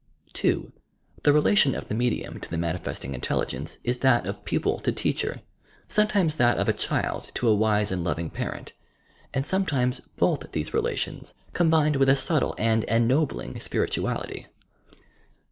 (2) The relation of the medium to the manifesting intelligence is that of pupil to teacher, sometimes that of a child to a wise and loving parent, and sometimes both these relations combined with a subtle and ennobling spirituality.